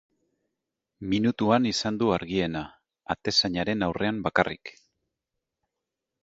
Minutuan izan du argiena, atezainaren aurrean bakarrik.